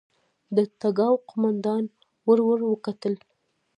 د تګاو قوماندان ورور وکتل.